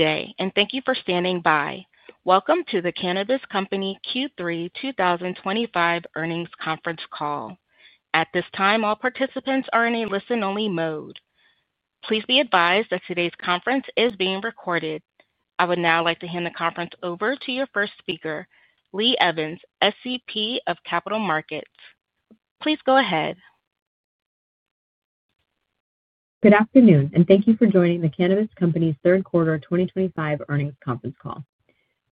Good day, and thank you for standing by. Welcome to the Cannabist Company Q3 2025 earnings conference call. At this time, all participants are in a listen-only mode. Please be advised that today's conference is being recorded. I would now like to hand the conference over to your first speaker, Lee Evans, SCP of Capital Markets. Please go ahead. Good afternoon, and thank you for joining the Cannabist Company's third quarter 2025 earnings conference call.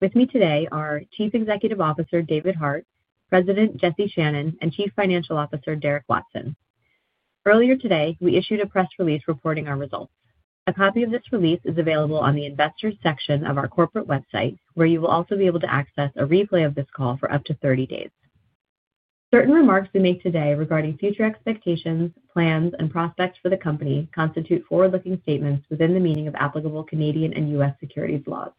With me today are Chief Executive Officer David Hart, President Jesse Shannon, and Chief Financial Officer Derek Watson. Earlier today, we issued a press release reporting our results. A copy of this release is available on the investors' section of our corporate website, where you will also be able to access a replay of this call for up to 30 days. Certain remarks we make today regarding future expectations, plans, and prospects for the company constitute forward-looking statements within the meaning of applicable Canadian and U.S. securities laws.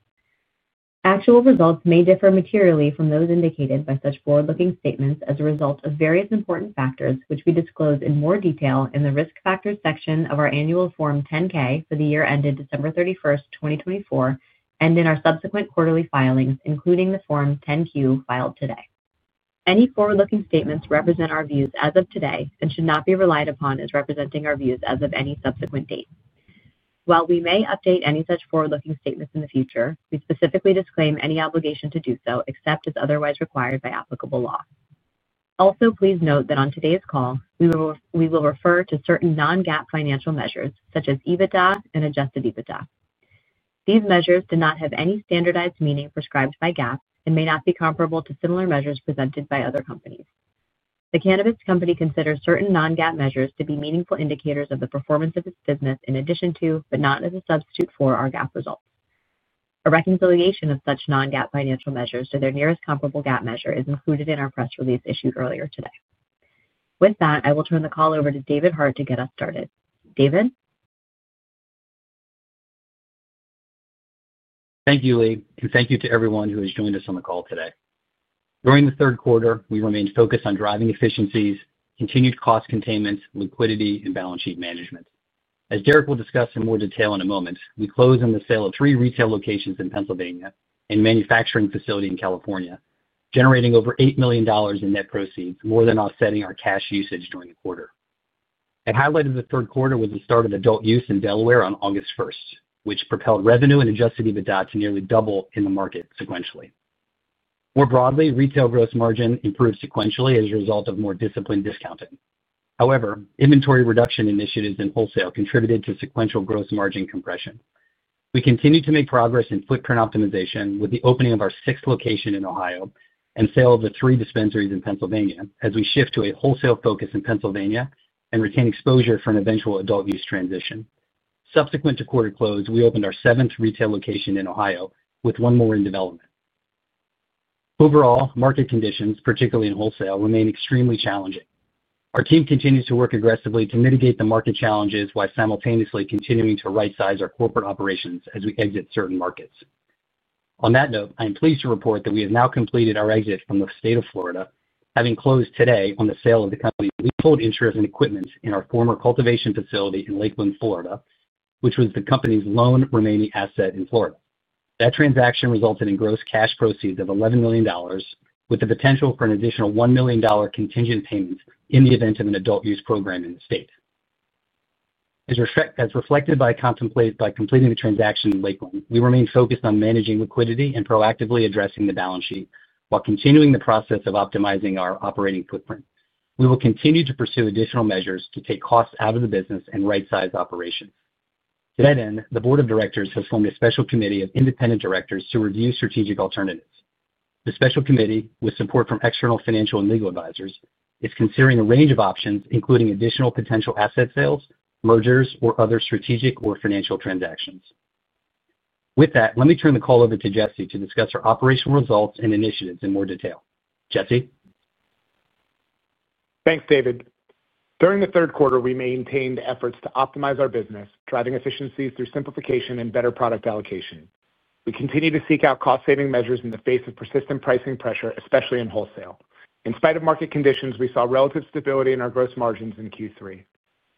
Actual results may differ materially from those indicated by such forward-looking statements as a result of various important factors, which we disclose in more detail in the risk factors section of our annual Form 10-K for the year ended December 31st, 2024, and in our subsequent quarterly filings, including the Form 10-Q filed today. Any forward-looking statements represent our views as of today and should not be relied upon as representing our views as of any subsequent date. While we may update any such forward-looking statements in the future, we specifically disclaim any obligation to do so except as otherwise required by applicable law. Also, please note that on today's call, we will refer to certain non-GAAP financial measures such as EBITDA and adjusted EBITDA. These measures do not have any standardized meaning prescribed by GAAP and may not be comparable to similar measures presented by other companies. The Cannabist Company considers certain non-GAAP measures to be meaningful indicators of the performance of its business in addition to, but not as a substitute for, our GAAP results. A reconciliation of such non-GAAP financial measures to their nearest comparable GAAP measure is included in our press release issued earlier today. With that, I will turn the call over to David Hart to get us started. David? Thank you, Lee, and thank you to everyone who has joined us on the call today. During the third quarter, we remained focused on driving efficiencies, continued cost containment, liquidity, and balance sheet management. As Derek will discuss in more detail in a moment, we closed on the sale of three retail locations in Pennsylvania and a manufacturing facility in California, generating over $8 million in net proceeds, more than offsetting our cash usage during the quarter. I highlighted the third quarter with the start of adult use in Delaware on August 1st, which propelled revenue and adjusted EBITDA to nearly double in the market sequentially. More broadly, retail gross margin improved sequentially as a result of more disciplined discounting. However, inventory reduction initiatives in wholesale contributed to sequential gross margin compression. We continue to make progress in footprint optimization with the opening of our sixth location in Ohio and sale of the three dispensaries in Pennsylvania, as we shift to a wholesale focus in Pennsylvania and retain exposure for an eventual adult use transition. Subsequent to quarter close, we opened our seventh retail location in Ohio with one more in development. Overall, market conditions, particularly in wholesale, remain extremely challenging. Our team continues to work aggressively to mitigate the market challenges while simultaneously continuing to right-size our corporate operations as we exit certain markets. On that note, I am pleased to report that we have now completed our exit from the state of Florida, having closed today on the sale of the company's leasehold interest in equipment in our former cultivation facility in Lakeland, Florida, which was the company's lone remaining asset in Florida. That transaction resulted in gross cash proceeds of $11 million, with the potential for an additional $1 million contingent payment in the event of an adult use program in the state. As reflected by completing the transaction in Lakeland, we remain focused on managing liquidity and proactively addressing the balance sheet while continuing the process of optimizing our operating footprint. We will continue to pursue additional measures to take costs out of the business and right-size operations. To that end, the board of directors has formed a special committee of independent directors to review strategic alternatives. The special committee, with support from external financial and legal advisors, is considering a range of options, including additional potential asset sales, mergers, or other strategic or financial transactions. With that, let me turn the call over to Jesse to discuss our operational results and initiatives in more detail. Jesse? Thanks, David. During the third quarter, we maintained efforts to optimize our business, driving efficiencies through simplification and better product allocation. We continue to seek out cost-saving measures in the face of persistent pricing pressure, especially in wholesale. In spite of market conditions, we saw relative stability in our gross margins in Q3.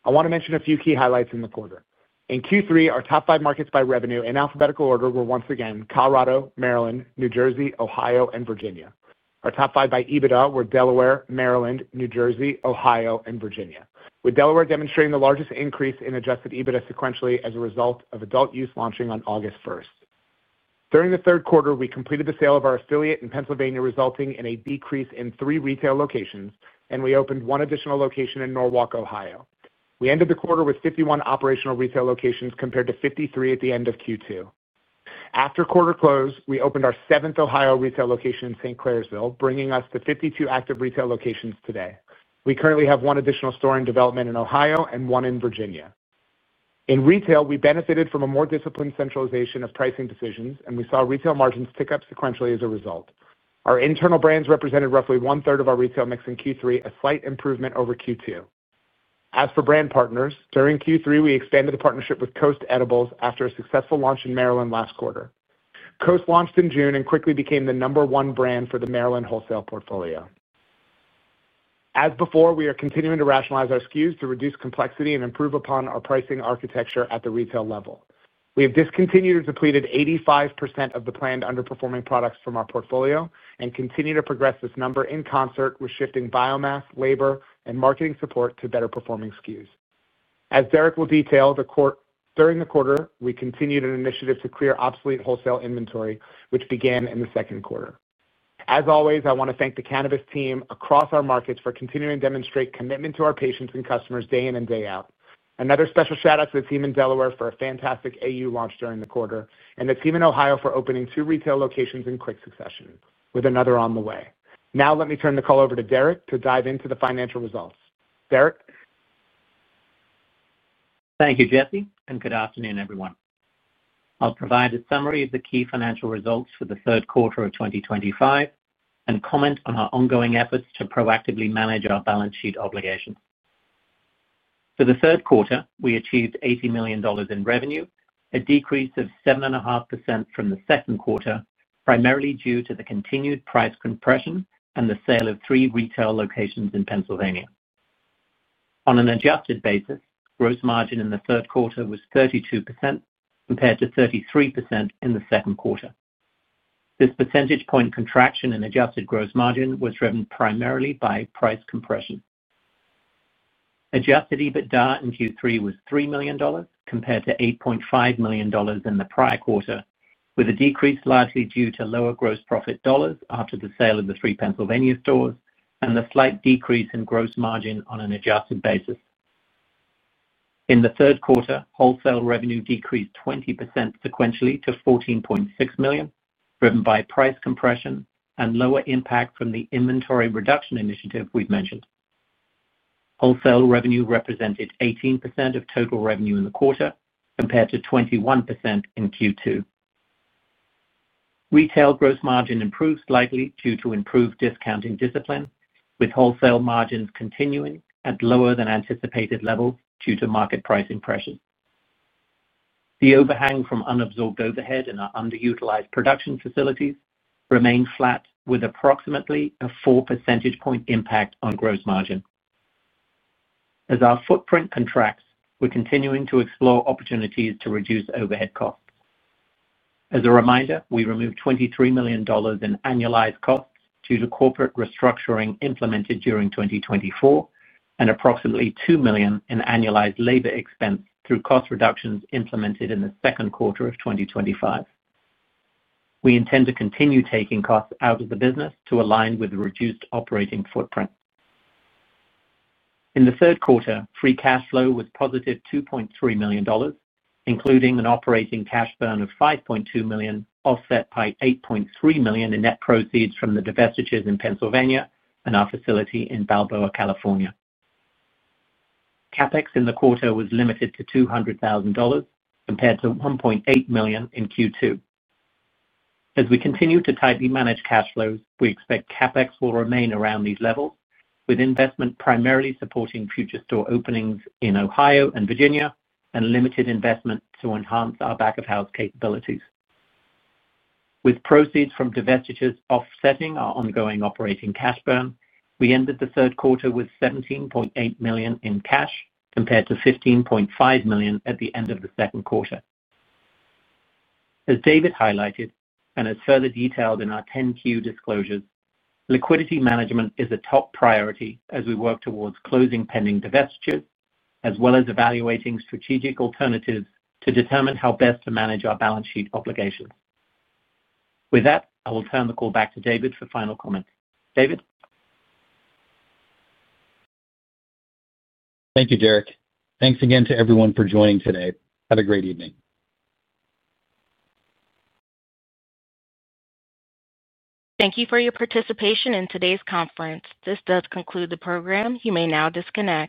I want to mention a few key highlights in the quarter. In Q3, our top five markets by revenue, in alphabetical order, were once again Colorado, Maryland, New Jersey, Ohio, and Virginia. Our top five by EBITDA were Delaware, Maryland, New Jersey, Ohio, and Virginia, with Delaware demonstrating the largest increase in adjusted EBITDA sequentially as a result of adult use launching on August 1st, 2025. During the third quarter, we completed the sale of our affiliate in Pennsylvania, resulting in a decrease in three retail locations, and we opened one additional location in Norwalk, Ohio. We ended the quarter with 51 operational retail locations compared to 53 at the end of Q2. After quarter close, we opened our seventh Ohio retail location in St. Clairsville, bringing us to 52 active retail locations today. We currently have one additional store in development in Ohio and one in Virginia. In retail, we benefited from a more disciplined centralization of pricing decisions, and we saw retail margins tick up sequentially as a result. Our internal brands represented roughly one-third of our retail mix in Q3, a slight improvement over Q2. As for brand partners, during Q3, we expanded the partnership with Coast Edibles after a successful launch in Maryland last quarter. Coast launched in June and quickly became the number one brand for the Maryland wholesale portfolio. As before, we are continuing to rationalize our SKUs to reduce complexity and improve upon our pricing architecture at the retail level. We have discontinued or depleted 85% of the planned underperforming products from our portfolio and continue to progress this number in concert with shifting biomass, labor, and marketing support to better-performing SKUs. As Derek will detail, during the quarter, we continued an initiative to clear obsolete wholesale inventory, which began in the second quarter. As always, I want to thank the Cannabist team across our markets for continuing to demonstrate commitment to our patients and customers day in and day out. Another special shout-out to the team in Delaware for a fantastic adult use launch during the quarter, and the team in Ohio for opening two retail locations in quick succession, with another on the way. Now, let me turn the call over to Derek to dive into the financial results. Derek? Thank you, Jesse, and good afternoon, everyone. I'll provide a summary of the key financial results for the third quarter of 2025 and comment on our ongoing efforts to proactively manage our balance sheet obligations. For the third quarter, we achieved $80 million in revenue, a decrease of 7.5% from the second quarter, primarily due to the continued price compression and the sale of three retail locations in Pennsylvania. On an adjusted basis, gross margin in the third quarter was 32% compared to 33% in the second quarter. This percentage point contraction in adjusted gross margin was driven primarily by price compression. Adjusted EBITDA in Q3 was $3 million, compared to $8.5 million in the prior quarter, with a decrease largely due to lower gross profit dollars after the sale of the three Pennsylvania stores and the slight decrease in gross margin on an adjusted basis. In the third quarter, wholesale revenue decreased 20% sequentially to $14.6 million, driven by price compression and lower impact from the inventory reduction initiative we've mentioned. Wholesale revenue represented 18% of total revenue in the quarter, compared to 21% in Q2. Retail gross margin improved slightly due to improved discounting discipline, with wholesale margins continuing at lower than anticipated levels due to market pricing pressures. The overhang from unabsorbed overhead in our underutilized production facilities remained flat, with approximately a four percentage point impact on gross margin. As our footprint contracts, we're continuing to explore opportunities to reduce overhead costs. As a reminder, we removed $23 million in annualized costs due to corporate restructuring implemented during 2024, and approximately $2 million in annualized labor expense through cost reductions implemented in the second quarter of 2025. We intend to continue taking costs out of the business to align with the reduced operating footprint. In the third quarter, free cash flow was positive $2.3 million, including an operating cash burn of $5.2 million, offset by $8.3 million in net proceeds from the divestitures in Pennsylvania and our facility in Balboa, California. CapEx in the quarter was limited to $200,000, compared to $1.8 million in Q2. As we continue to tightly manage cash flows, we expect CapEx will remain around these levels, with investment primarily supporting future store openings in Ohio and Virginia, and limited investment to enhance our back-of-house capabilities. With proceeds from divestitures offsetting our ongoing operating cash burn, we ended the third quarter with $17.8 million in cash, compared to $15.5 million at the end of the second quarter. As David highlighted and as further detailed in our 10-Q disclosures, liquidity management is a top priority as we work towards closing pending divestitures, as well as evaluating strategic alternatives to determine how best to manage our balance sheet obligations. With that, I will turn the call back to David for final comments. David? Thank you, Derek. Thanks again to everyone for joining today. Have a great evening. Thank you for your participation in today's conference. This does conclude the program. You may now disconnect.